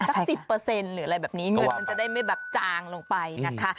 สัก๑๐หรืออะไรแบบนี้เงินมันจะได้ไม่แบบจางลงไปนะคะ